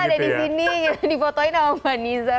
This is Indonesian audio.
jadi kita ada di sini dipotohin sama mbak nizar